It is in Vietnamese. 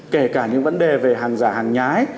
kể cả những vấn đề về hàng giả hàng nhái